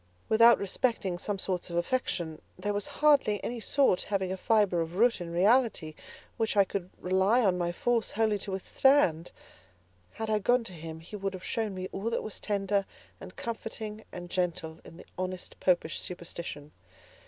Without respecting some sorts of affection, there was hardly any sort having a fibre of root in reality, which I could rely on my force wholly to withstand. Had I gone to him, he would have shown me all that was tender, and comforting, and gentle, in the honest Popish superstition.